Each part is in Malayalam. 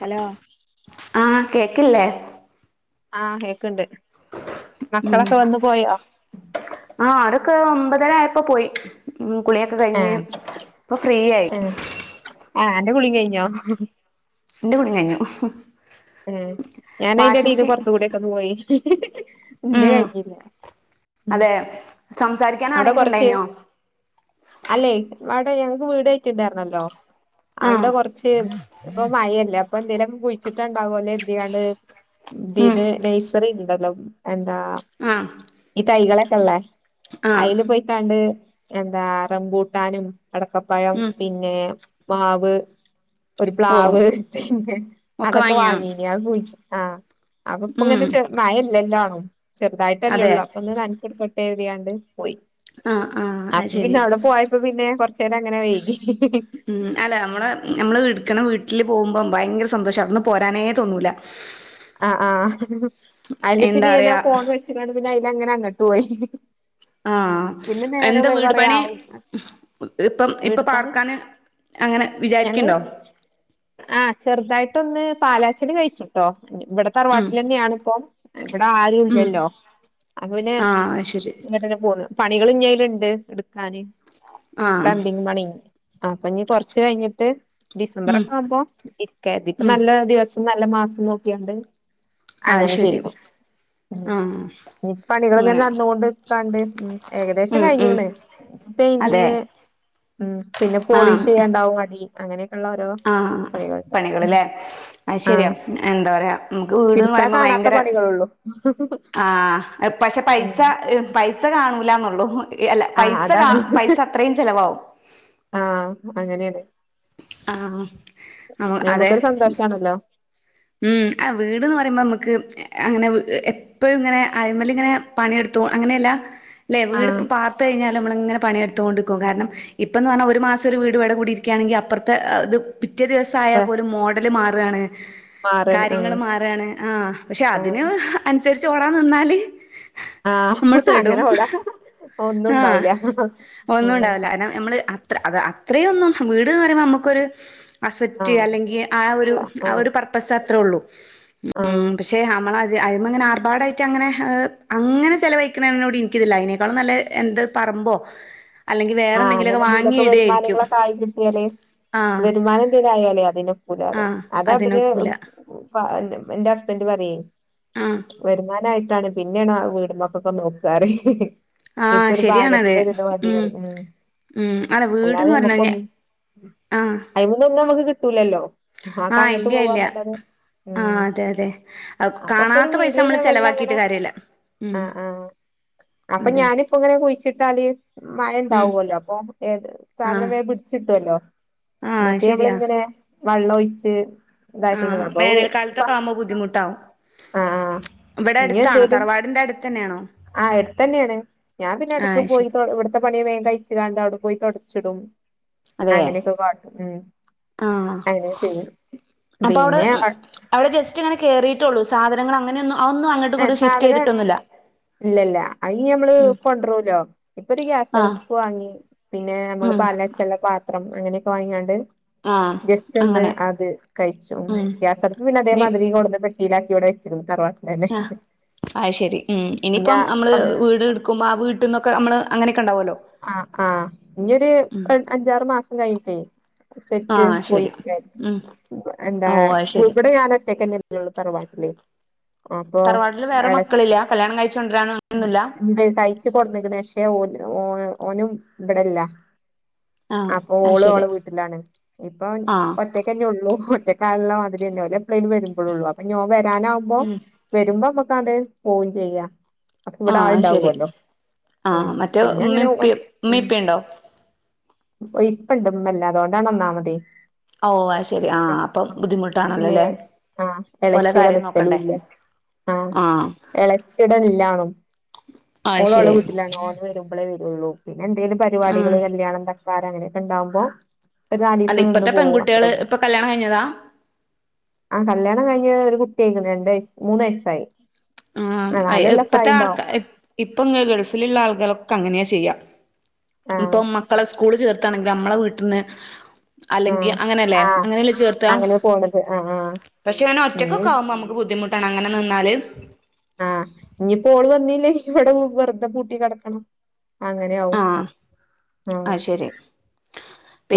ഹലോ ആഹ് കേക്കില്ലേ ആഹ് കേക്കണ്ട് ഉം മക്കളൊക്കെ വന്ന് പോയോ ആഹ് അതൊക്കെ ഒമ്പതര ആയപ്പോ പോയി കുളിയൊക്കെ കഴിഞ്ഞ് ആഹ് ഇപ്പൊ ഫ്രീ ആയി ആഹ് ആഹ് എന്റെ കുളി കഴിഞ്ഞോ ഇന്റെ കുളി കഴിഞ്ഞു ആ ഞാൻ വാഷിംഗ് അയിന്റെടിന്ന് മെഷീൻ പുറത്തു കൂടെക്ക ഒന്ന് പോയി ഇന്റെ ഉം കഴഞ്ഞില്ല ഉ അതെ സംസാരിക്കാൻ അവിടെ ആരെങ്കിലും കൊറച്ച് ഉണ്ടായിനോ അല്ലെ അവിടെ ഞങ്ങക്ക് വീട് കയറ്റ്ണ്ട് പറഞ്ഞല്ലോ ആഹ് അവിടെ കുറച്ച് ഇപ്പ മഴല്ലേ അപ്പൊ എന്തേലൊക്കെ കുഴിച്ചി ഇണ്ടാകല്ലേ കരുത്തിയാണ്ട് ഉം നഴ്സറിൽ ഇണ്ടല്ലോ എന്താ ആഹ് ഈ തൈകളൊക്കെള്ള ആഹ് അയിൽ പോയിട്ടാണ്ട് എന്താ റംമ്പൂട്ടാനും അടക്കപ്പഴം ഉം പിന്നെ മാവ് ഒരു ഓ പ്ലാവ്, തെങ് ഒക്കെ അതൊക്കെ വാങ്ങിയോ വാങ്ങീ ആ അപ്പൊ ഇപ്പ ഉം ഇങ്ങനെ മഴല്ലല്ലാ ആണും ചെറുതായിട്ടല്ലേ അതെ ഉള്ളൂ അപ്പൊ ഒന്ന് നനച്ച കൊടുക്കട്ടെ എഴുതിയാണ്ട് പോയി ആഹ് ആഹ് അത് അപ്പൊ ശരി പിന്നെ അവിടെ പോയപ്പോ പിന്നെ കൊറച്ച നേരം അങ്ങനെ വൈകി ഉം അല്ല നമ്മള് നമ്മള് ഇടുക്കണ വീട്ടില് പോകുമ്പോ ഭയങ്കര സന്തോഷമായിരുന്നുന്ന് പോരാനേ തോന്നൂല്ല ആ ആ അതില് എന്താ പിന്നെ ഞാനാ പറയാ ഫോൺ വെച്ചികാണ്ട് പിന്നെ അതില് അങ്ങനെ അങ്ങോട്ട് പോയി ആഹ പിന്നെ നേരം എന്താ വെ വീട് കൊറേ പണി ആവും ഇപ്പം ഇപ്പൊ വീട് പണി പാർക്കാന് അങ്ങനെ വിചാരിക്കണ്ടോ ആഹ ചെറുതായിട്ടൊന്ന് പാലാച്ചന് കഴിച്ചുട്ടോ ഇവിടെ ഉം തറവാട്ടിൽ തന്നെയണ ഇപ്പൊ ഇവിടെ ആരും ഉം ഇല്ലല്ലോ അപ്പ പിന്നെ ആഹ് അത് ശരി ഇങ്ങട്ട്ന്നെ പോന്നു പണികളി ഇഞ്ഞല ഇണ്ട് ഇടുക്കാന് ആഹ് പ്ലെമ്പിങ് പണി അപ്പൊ നീ കൊറച്ച് കഴിഞ്ഞിട്ട് ഡിസംബർ ഉം ഒക്കെ ആവുമ്പോ ഇരിക്കതി ഇപ്പ ഉം നല്ല ദിവസം നല്ല മാസം നോക്കിയണ്ട് അങ്ങനെ ചെയ്തു ആഹ ഇ പണികള ഇങ്ങനെ നടന്നൊണ്ട് കണ്ട് ഉ ഏകദേശം ഉം ഉം കഴിഞ്ഞണ് അതെ പെയിന്റിങ് ഉം പിന്നെ പോളിഷ് ചെയ്യാണ്ടാവും അടി അങ്ങനെയൊക്കെള്ള ഓരോ ആഹ പണികളുണ്ട് പണികള് ഉം ല്ലേ അ ശരിയാ ആഹ് എന്താ പറയാ നമുക്ക് വീട്ന് ഇടുത്താ പറയുമ്പം കാണാത്ത ഭയങ്കര പണികളൊള്ളൂ ആ പക്ഷെ പൈസ ഉം പൈസ കാണൂലന്നുള്ളൂ അല്ല ആഹ് പൈസ കാ പൈസ അത്രയും ചെലവാവും ആഹ അങ്ങനെയാണ് ആഹ് ഞമുക്കൊരു അതെ സന്തോഷാണ്ല്ലോ ഉം ആഹ് വീട്ന്ന് പറയുമ്പോ നമുക്ക് അങ്ങനെ എപ്പൊഴ്ങ്ങനെ അതിമല്ങ്ങനെ പണിയെടുത്തു അങ്ങനെല്ല ല്ലെ വീടി ആഹ് ഇപ്പോപാത്ത്ഴിഞ്ഞാൽ നമ്മളിങ്ങനെ പണിയെടുത്തോണ്ടിക്കും കാരണം ഇപ്പന്നറഞ്ഞാ ഒരു മാസം ഒരു വീട് വടെ കൂടിയിരിക്കാണെങ്കിൽ അപ്പുറത്തെ അത് പിറ്റേ ദിവസം ആയാ പോലും മോഡല് മാറാണ് മാറാണ് ആഹ് കാര്യങ്ങള് മാറാണ് ആഹ് പക്ഷെ ആഹ് അതിന് അനുസരിച്ച് ഓടാൻ നിന്നാല് ആഹ് നമ്മൾ പെടും അങ്ങനെ ഓട ആഹ് ഒന്നുണ്ടാവില്ല എനം മ്മള് അത്ര അത് അ അത്രയൊന്നും വീട്ന്ന് പറയുമ്പോ നമുക്കൊരു അസെറ്റ്യ ആഹ് അല്ലെങ്കി ആഹ് ഇല്ല ഒരു ആ ആഹ് ഒരു പർപ്പസ് ത്രൊള്ളൂ ആഹ് മ്മ് പക്ഷെ മ്മള അയിമങ്ങനെ ആർബാടായിട്ട് അങ്ങനെ ഹ് അങ്ങനെ ചെലവഴിക്കുന്നയിനോട് എനി‌ക്കിതില്ല അതിനേക്കാളും നല്ലെ എന്ത് പറമ്പോ വേറെ ആഹ് അങ്ങനെ എന്തെങ്കിലുമൊക്കെ വാങ്ങി എന്തേലൊക്കെ ഇടായിരിക്കും വരുമാനങ്ങളൊക്കെ ആയി കിട്ടിയാല് ആഹ് വരുമാനം തരായാലേ അതിനൊക്കൂലാറെ ആഹ് അതവര് അതിനൊക്കൂല ന്റെ ന്റെ ഹസ്ബന്റ് പറയെ ആഹ് വരുന്നോരാ പിന്നാണ് ആഹ് വീടമക്കക്കൊന്നൊക്കാറ് ആഹ് ഇപ്പൊ ഒരു ശരിയാണത് ഭാഗത്തിലൊരിത് മതി ഉം ഉം അല്ല അല്ലാതെ വീട്ന്ന് പറയണ നമ്മുക്കൊന്ന് ആഹ് ഒന്നും നമുക്ക് കിട്ടൂലല്ലോ ആഹ് ആഹ്കങ്ങോട്ട് ഇല്ല ഇല്ല പോവന്നല്ലാതെ ആഹ് അതെ അതെ ഒരു കാണാത്ത പൈസ മീഡിയം മ്മള് ലെവലിൽ ചെലവാക്കിട്ട് അങ്ങനെ കാരില്ല ആഹ് ആഹ് അപ്പൊ ഞാനിപ്പിങ്ങനെ കുഴിച്ചിട്ടാല് മഴ ഉം ഉണ്ടാവൊല്ലോ അപ്പൊ ഏത് സാധനം ആഹ് വേം പിടിച്ചിട്ടുല്ലോ ആഹ് ശരിയാ മറ്റേമ്മളിങ്ങനെ വെള്ള ഒഴിച്ച് ഇതാക്കിന്ന് ആഹ് അപ്പൊ വേനൽക്കാലത്തൊക്കെ ആവുമ്പോ ബുദ്ധിമുട്ടാവും ആ ആ ഇവിടെ അടുത്താണോ തറവാടിന്റെടുത്തന്നാണോ ആഹ് എടുത്തേന്നാണ് ഞാൻ പിന്നെടക്ക് ആഹ് പോയി ശരി തൊ ഇവിടുത്തെ പണിയെ മേ കഴിച്ചു കാണ്ട് അവി പോയി തൊടച്ചിടും അതെ അങ്ങനൊക്കെ കാട്ടും അങ്ങനെ ചെയും അപ്പ അവിടെ മ് അവിടെ ജസ്റ്റ് ഇങ്ങനെ കേറിട്ടുള്ളൂ സാധനങ്ങൾ അങ്ങനൊന്നും അയൊന്നും അങ്ങോട്ടിങ്ങോട്ടും ഷിഫ്റ്റ് ചെയ്തിട്ടൊന്നില്ല ഇല്ലില്ല അതിനി ഞമ്മള് കൊണ്ടരുല്ലോ ഇപ്പൊ ഒരു ആഹ് ഗ്യാസടുപ്പ് വാങ്ങി പിന്നെ നമ്മള് ഉം പാൽനചെല്ല ത്രം അങ്ങനെക്കെ വാങ്ങിയോണ്ട് ആഹ് ജസ്റ്റ് ഒന്ന് അങ്ങനെ അത് കയിച്ചു ഉം ഗ്യാസടുപ്പ് പിന്നെ ഇനി അതേമാതിരി കൊണ്ടന്ന് പെട്ടിയിലാ കൂടെച്ച്നു തറവാട്ട് ഹ ആ ശരി ഉം ഞാ ഇനിയിപ്പം മ്മള് വീട് എടുക്കുമ്പോ ആ വീട്ടിന്നൊക്ക മ്മള് അങ്ങനെക്കൊണ്ടാവുല്ലോ ആഹ് ആഹ് ഇനിയൊരു അഞ്ചാറ് മാസം കഴിഞ്ഞിട്ട് സെറ്റ് ആഹ് ശരി പോയിക്ക ഉം എന്താ ഓ അത് ശരി ഇവിടെ ഞാനൊറ്റക്ക് ഉമ്മയും ഉപ്പയൊള്ളു തറവാട്ടില് അപ്പ തറവാട്ടില് വേറെ ഇളച്ച് മക്കളില്ല കല്യാണം കഴിച്ച് കൊണ്ടരാനോ മ് അങ്ങനൊന്നുമില്ല എന്ത്‌ തയ്ച്ച് കൊടുന്ന്ക്ക്ണ് ശെ ഓ ഓ ഓനും ഇവിടില്ല ആഹ് അപ്പൊ അത് ശരി ഓളോളെ വീട്ടിലാണ് ഇപ്പൊ ആഹ് ഒറ്റക്കെല്ലള്ളൂ [unintelligible] മാതിരി [unintelligible] വരുമ്പോഴള്ളൂ അപ്പൊഞാ വരാനാവുമ്പോ ഉം വരുമ്പോ കടേൽ പോവും ചെയ്യ അപ്പ ഇവിടെ ആഹ് അത് ശരി ആളുണ്ടാവുല്ലോ ആഹ് മ്മ് മറ്റേ പിന്നെ അങ്ങനെ ഉമ്മയും ഉപ്പയും ഉമ്മയും ഉപ്പയും ഉണ്ടോ മ് ഇപ്പണ്ട് മ്മല്ലഅതോണ്ടാണ്ന്നാ മതെ ഓഹ് അ ശെരി ആഹ് അപ്പം പിന്നെ ബുദ്ധിമുട്ടാണല്ലോല്ലെ ആഹ് ഇളച്ചിയ്ടെ നിക്കലുല്ല ആഹ് എ ശേ വടെല്ലാനും അത് ഓള് ഓളെ ശരി വീട്ടിലാണ് ഓന് വരുമ്പോളേ വരുള്ളൂ പിന്നെ എന്തേലും ഉം പരിപാടികള് കല്യാണം തക്കാരം അങ്ങനെക്ക്ണ്ടാവ്മ്പോ ഒരു നാലീസ അല്ല നിന്ന് ഇപ്പത്തെ പോകും പെൺകുട്ടികള് അത്രേള്ളു ഇപ്പൊ കല്യാണം കഴിഞ്ഞതാ ആ കല്യാണം കഴിഞ്ഞ ഒരു കുട്ടിയ ആയികണ് രണ്ട വയസ് മൂന്ന വയസായി ആ ഇപ്പഴത്തെ ആൾക്കാ ഇപ്പൊ ഗൾഫിലുള്ള ആളുകളൊക്കെ അങ്ങനെയാ ചെയ്യാ ആഹ് ഇപ്പൊ മക്കളെ സ്കൂള് ചേർത്താണെങ്കിൽ നമ്മളെ വീട്ടിൽന്ന് അല്ലെങ്കിൽ ആഹ് അങ്ങനെയല്ലേ ആഹ് അങ്ങനെയല്ലേ ചേർത്ത അങ്ങനെ പോണത് ആഹ് ആഹ് പക്ഷെ അതിനെ ഒറ്റക്ക ഇഞ്ഞ് ആകുമ്പോ നമുക്ക് ബുദ്ധിമുട്ടാണ് അങ്ങനെ നിന്നാല് ആഹ് ഇനിയിപ്പോള് വന്നില്ലെ ഇവിടെ വെറുത പൂട്ടി കിടക്കണം അങ്ങനെയവും ആഹ് ആഹ അത് ശരി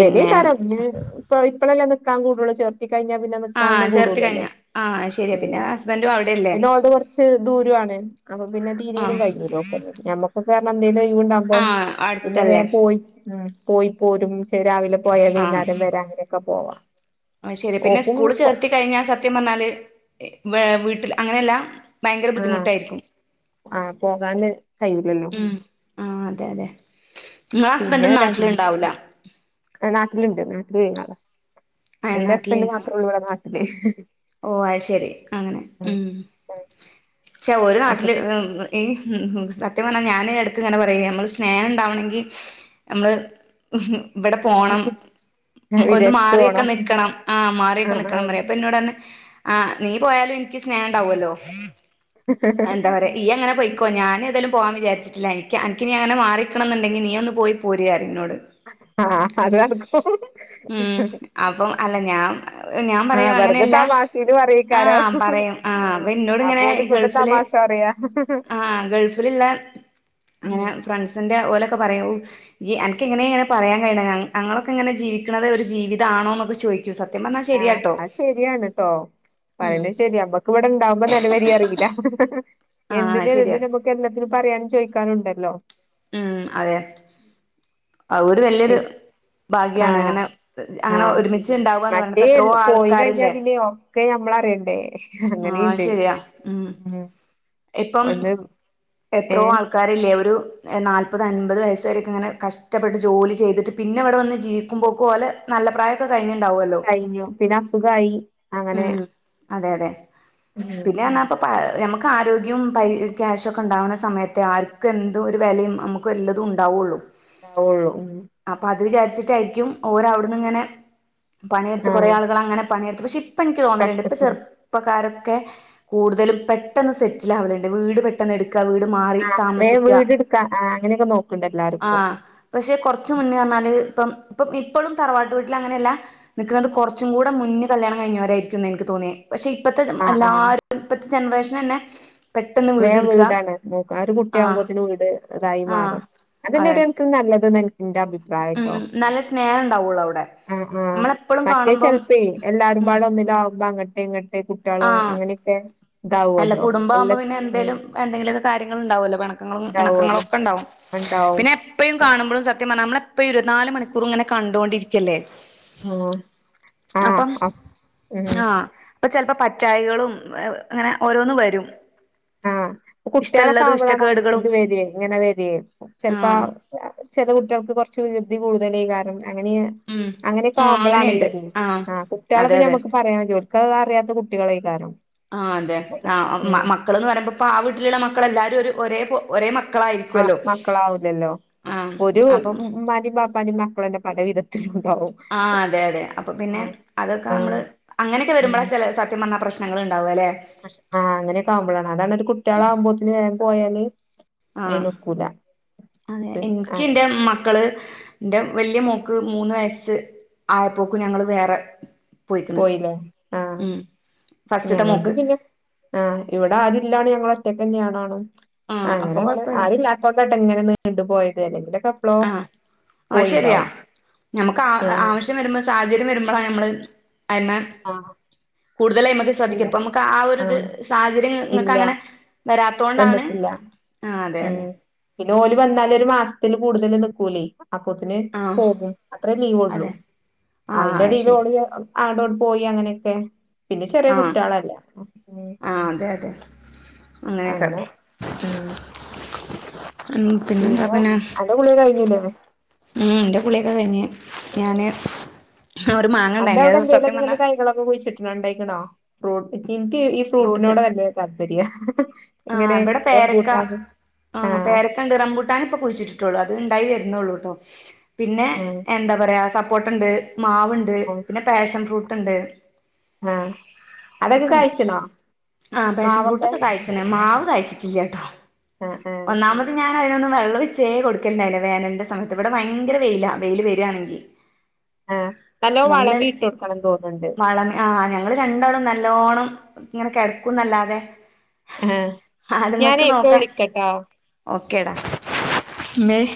വരോ കാരം ഇ ഇ ഇപ്പഴെല്ല നൽക്കാൻ കൂടുള്ളൂ ചേർത്തി കഴിഞ്ഞൽ പിന്നെ നിക്കാനൊനും കൂടൂലല്ലോ ആ ശരി പിന്നെ ഉം ഹസ്ബൻഡ് പിന്നെ ഓളത് കുറച്ച് ദൂരമാണ് അപ്പൊ പിന്നെ തീരയിലും ആഹ് കഴിഞ്ഞൂലോക്ക നഞമ്മക്ക് കാരണം എന്തെിലും ഒഴിവുണ്ടാവുമ്പോ ആഹ് പിന്നെ വേ അടുത്തല്ലേ പോയി ഉ പോയി പോരും പക്ഷെ രാവിലെ പോയാ വൈന്നേരം വരെ അങ്ങനെയൊക്കെ പോവാം ശെരി പിന്നെ സ്കൂള് ചേർത്തി കഴിഞ്ഞാ സത്യം പറഞ്ഞാല് വ വീട്ടിൽ അങ്ങനെയല്ല ഭയങ്കര ആഹ് ബുദ്ധിമുട്ടായിരിക്കും ആഹ് പോകാന് കയ്യൂലല്ലോ ഉ ആ അതെ അതെ നിങ്ങള ഹസ്ബൻഡ പിന്നെ ര നാട്ടില ഇണ്ടാവല നാട്ടില്ണ്ട് നാട്ടില് എന്റെ ഹസ്ബന്ഡ് നാട്ടിലേനാണ് മാത്രേള്ളൂ ഇവിടെ നാട്ടില്േ ഓ അത് ശരി അങ്ങനെ ഉം ഉം പക്ഷെ ഒരു അപ്പൊ നാട്ടില് ഉ സത്യം പറഞ്ഞാൽ ഞാന്ൻ എടുക്ക ഇങ്ങനെ പറയ നമ്മള് സ്നേഹം ഉണ്ടാവണെങ്കിൽ നമ്മള് അ [unintelligible] ഇവിടെ പോണം ഒന്ന് വിദേശത്ത് മാറിയൊക്കെ പോണം നൽക്കണം ആ മാറിയൊക്കെ ആഹ് നിക്കണം ആഹ് പറയും അപ്പ എന്നന്നോട് തന്നെ ആഹ് നീ പോയാലും എനിക്ക് സ്നേഹംണ്ടാവല്ലോ എന്താ പറയാ ഈ അങ്ങനെ പോയിക്കോ ഞാന തായലിലും പോകാൻ വിചാരിിട്ടില്ല എനിക്ക് എനക്ക്ിന അങ്ങനെ മാറിക്കണം എന്നുണ്ടെങ്ക നീ ഒന്ന് പോയി പോരയരുന്നു ഇ എന്നോട് ആഹ അതാക്ക ഉ അപ്പം അല്ല ഞാൻ ഞാൻ ആഹ് പറയും വെറുതെ അങ്ങനെയല്ല തമാശീല് ആ പറയേക്കാരം പറയും ആഹ് അപ്പൊ എന്നന്നോട് അപ്പൊ ഇങ്ങനെ ഓല് ഈ ഇങ്ങട്ട് ഗൾഫില് തമാശ പറയാ ആഹ ഗൾഫിലുള്ള അങ്ങനെ ഉം ഫ്രണ്ട്സിന്റെ ലെ പറ എനക്ക് എങ്ങനെ എങ്ങനെ പറയാൻ കഴി അൊക്കെ എങ്ങനെ ജീിക്ക ഒരു ജീവിതണോ എന്നൊെ ചോിക്കും ആഹ അ ശരിയാണ്ട്ടോ പറയണ്ട് ശെരി നമ്മക്ക് ഇവിടെ ഇണ്ടാവുമ്പോ നനവരി അറിയില്ല ആഹ് എന്തിന എ ശരിയാ നമുക്ക് എല്ലാത്തിനും പറയാനും ചോദിക്കാനുണ്ടല്ലോ ഉം അതെ ആ ഒരുര് വല്യൊരു ഭാഗ്യാണ് ആഹ് അങ്ങനെ ആഹ് അങ്ങനെ ഒരുമിിച്ചച്ച് ഉണ്ടാവുകന്ന് മറ്റേ പറഞ്ഞപ്പ എത്രയോ ആൾക്കാരില്ലേ നമ്മള അറിയണ്ടേ ആഹ് അങ്ങനെയുണ്ട് ശരിയാ ഉം ഉ ഇപ്പം എത്രോ ആൾക്കാരില്ല ഒരു നാല്പത് അമ്പപത് വയ വരക്ക ഇങ്ങനെ കഷ്ടപ്പെട്ട് ജോലി ചെയ്തിട്ട് പിന്നെ ഇവിടെ വന്ന് ജീവിക്കുമ്പോക്ക നല്ല പ്രായ കഴിഞ്ഞു പിന്നെ അസുഖമായി അങ്ങനെ ഉം അതെ അതെ ഉം. പിന്നൊപ്പ നമുക്ക് ആരോഗ്യവും പരി ക്യാഷ ഒക്കെ ഉണ്ടാാവുന്ന സമയത്തെ ആർക്കും എന്ത ഒരു വിലയും നമുക്ക് വല്ലതും ഉണ്ടാവുള്ളൂ ഉ ായിരിക്കും ഓരവി ഇങ്ങനെ പണിയെടുത്ത് കുറേ ആഹ് ആളനെ പണിയെടുത്ത് പക്ഷെ ഇപ്പ എനിക്ക് തോന്നറുണ്ട് ഇപ്പൊ കഷ്ടപ്പെട്ട് ചെറുപ്പക്കാരൊക്കെ കൂടുതലും പെ പെട്ട സെറ്റിലാവണ്ട് വീട് പെട്ടെന്ന് എടു വട് മാ ആഹ് വേം താമസിക്ക വീടെടുക്കാ ആഹ് അങ്ങനെയൊക്കെ നോക്കണ്ട് എല്ലാരും ആ ഇപ്പൊ പക്ഷെ കുറുന്ന അന ഇപ്പം ഇപ്പം ഇപ്പോഴും തറവാട്ട് വീട്ടിൽ അങ്ങനെല്ല നിൽക്കുന്നത് കുറച്ചും കൂടെ മുന്ന കല്യാണം കഴിഞ്ഞവരായിരിക്കും എനിക്ക് തോന്നിയത് പക്ഷെ ഇപ്പത്തെ ആഹ് ആഹ് എല്ലാരും ഇപ്പത്തെ ജനറേഷൻ തന്നെ പെട്ടെന്ന് വീട് വേറെ എടുക്കുക വീടാണ് നോക്ക ആ ഒരു ആഹ് കുട്ടിയാകുമ്പോതിന് വീട് ഇതായി ആഹ് മാറും അതന്നെ അതെ ഒരു കണക്കിന് നല്ലത് എന്റെ ഉം അഭിപ്രായട്ടോ നല്ല സ്നേഹം ഉണ്ടാവുള്ളൂ അവിടെ ആ ആഹ് നമ്മളെപ്പോഴും മറ്റേ കാണുമ്പം ചിലപ്പേ എല്ലാട ഉം മ്പാട ഒന്നില്ല ആകുമ്പോ അങ്ങട്ടെ ഇങ്ങട്ടെ കുട്ടികളും ആഹ് അങ്ങനെയൊക്കെ അല്ല ഇതാവല്ലോ എല്ല കുടുംബാകുമ്പോ പിന്നെ എന്തേലും എന്തെങ്കിലുമക്കെ കാര്യങ്ങള് ഉണ്ടാവുമല്ലോ പിണക്കങ്ങളും ഇണക്കങ്ങളും ഉണ്ടാവുമല്ലോ ഒക്കെ ഉണ്ടാവും ഉണ്ടാവും പിന്നെ എപ്പഴും കാണുമ്പോഴും സത്യ പറത്ത നമ്മളെപ്പ ഇരുപത്തി നാല് മണിക്കൂർ ഇങ്ങനെ കണ്ടുകൊണ്ടിരിക്കല്ലേ ഓ അപ്പം ആഹ് അപ്പൊ ചിലപ്പോ വയ്യായികളും അങ്ങനെ ഓരോന്ന് വരും ആഹ കുട്ടികളക്കെ ഇഷ്ടമുള്ളതും ആവുമ്പോഴാണ് ഇഷ്ടക്കേടുകളും ഇത് വരിയേ ഇങ്ങനെ വരിയേ ചെിലപ്പോ ആഹ് ചില കുട്ടികൾക്ക് കുറച്ച് വികൃതി കൂടുതൽ ഈ കാരണം അങ്ങനെ ഉം അങ്ങനെയൊക്കെ ആഹ് അങ്ങനെയുണ്ട് ആവുമ്പോളാണല്ലത് ആഹ് ആ അതെ കുട്ടികളെപ്പിന്നെ അതെ നമുക്ക് പറയാം ജോലി ഓക്ക് അറിയാത്ത കുട്ടികളെ കാരണം ആഹ് അതെ ആഹ് മ മക്കള്ന്ന് പറയുമ്പോ ആ വീട്ടിലുള്ള മക്കളെല്ലാരും ഒരു ഒരേ പോ ഒരേ മ ആ മക്കളാവില്ലല്ലോ ആ ഒരു അപ്പം ഉമ്മാൻ്റെയും വാപ് പ്പാൻ്റെയും മക്കള് തന്നെ പല വിധത്തിലുണ് ആഹ് അതെ അതെ അപ്പോ പിന്നെ അതൊക്കെ നമ്മള് ആഹ് അങ്ങനൊക്കെ ഉം വരുമ്പോള ചെല സത്യം പറഞ്ഞ പ്രശ് ശ്‌നങ്ങൾ ഇണ്ടാവ ലെ. ആഹ് അങ്ങനെയൊക്കെ ആവുമ്പോളാണ് അതാണ് ഒരു കുട്ടിയാള് ആവുമ്പോതിന് വേഗം പോയാല് ആഹ് അയിനൊക്കൂല അതെ എനിക്ക് അങ്ങനെ ഇൻ്റെ മക്കള് എന്റെ വലിയ മോ ക്ക് മൂന്ന് വയസ് ആയപ്പോക്ക് ഞങ്ങള് വേറെ പോയിക്കണ് പോയി ലെ ആഹ്. ഉം ഫസ്റ്റ്ത്തെ ഞങ്ങൾക്ക് മോക്ക് പിന്നെ ആഹ് ഇവിടെ ആരുല്ലാണ്ട് ഞങ്ങള ഒ ഒറ്റക്കാണ് ആ അപ്പൊ അങ്ങനെ അങ്ങനെ കൊഴപ്പല്ല ആരുല്ലാത്തകൊണ്ടാട്ടോ ഇങ്ങനെ നീണ്ടു പോയത് അല്ലെങ്കില്- അപ്പളോ ആ ആ ശരിയാ ഞമ്മക്ക് ആ ആഹ് ആവശ്യം വരുമ്പോ സാഹചര്യം വരുമ്പോളാ നമ്മള്- ആ്മ ആഹ് [unintelligible] കൂടുതലായി നമുക്ക് ശ്രദ്ധിക്കും ഉണ്ടോ ഇപ്പ നമുക്ക് ആ ഒരു ഇത് ആഹ് സാഹചര്യം നിങ്ങക്ക് ഇല്ല അങ്ങനെ വരാത്ത- വന്നിട്ടില്ല ഉം പിന്നെ ഓല് വന്നാല് ഒരു മാസത്തില് കൂടുതല് നിക്കൂലേ അപ്പോത്തിന് ആ പോകും അത്രേ ലീവെയുള്ളൂ അതെ ആ അതിന്റെ എടയില് ശരി ഓള് - അവിടെ ഇവിടെ പോയി അങ്ങനെയൊക്കെ പിന്നെ ചെറിയ ആ കുട്ടികളലല്ല മ് ഉം ആ അതെ അതെ അങ്ങനെയൊക്കെ അങ്ങനെ ഉം പിന്നെ എന്താ പിന്നെ അന്റെ കുളി കഴിഞ്ഞില്ലേ ഉം എൻ്റെ കുളിയൊക്കെ കഴിഞ്ഞ് ഉം ഞാന്- ഒരു മാങ്ങ അന്റെ ഉണ്ടായിനി അവിടെ അത് എന്തേലും സത്യം ഒക്കെ പറഞ്ഞാ ഇങ്ങനെ തൈകളൊക്കെ കുഴിച്ചിട്ടുണ്ടേ ആണോ ഫ്രൂട്ട് എനിക്ക് ഈ ഫ്രൂട്ടിനോട് വല്യ താല്പര്യാ ആഹ് ഇവിടെ പേരക്ക ആ പേരക്ക ഇണ്ട് റംമ്പൂട്ടാൻ ഇപ്പൊ കുഴിച്ചിട്ടിട്ടുള്ളൂ അത് ഇണ്ടായി വരു - ന്നുള്ളൂട്ടോ പിന്നെ ആ എന്താ പറയാ സപ്പോട്ട ഉണ്ട് മാവുണ്ട് ആ പിന്നെ പാഷൻ ഫ്രൂട്ട് ഉണ്ട് ആ അതൊക്കെ ആക്കണ്ട് കഴിച്ചണോ ആ പാഷൻ ഫ്രൂട്ട് മാവൊക്കെ ഒക്കെ ആ കായ്ക്കും മാവ് കാഴ്ച്ചിട്ടില്ല കേട്ടോ ആ ആ ഒന്നാമത് ഞാൻ അതിനൊന്നും വെള്ളം ഒഴിച്ചേ കൊടുക്കണ്ടായില്ല വേനലന്റെ സമയത്ത് ഇവിടെ ഭയങ്കര വെയിലാ വെയില് വരിയാണെങ്കിൽ- ആ നല്ലോ വളം നീ ഇട്ട് കൊടുക്കണം തോന്നുന്നുണ്ട് അത് രണ്ടോളും നല്ലോണം ഇങ്ങനെ കെളയ്ക്കും നന്നല്ലാതെ ആഹ് ഞാനെ ഇപ്പ വിളിക്കാ ട്ടോ ഓക്കേടാ മെയ്-